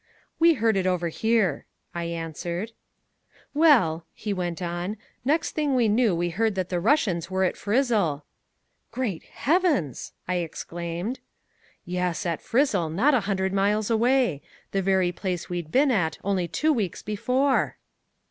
"We heard it over here," I answered. "Well," he went on, "next thing we knew we heard that the Russians were at Fryzzl." "Great Heavens!" I exclaimed. "Yes, at Fryzzl, not a hundred miles away. The very place we'd been at only two weeks before."